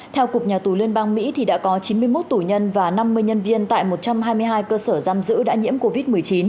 theo cục nhà tù liên bang mỹ đã có chín mươi một tù nhân và năm mươi nhân viên tại một trăm hai mươi hai cơ sở giam giữ đã nhiễm covid một mươi chín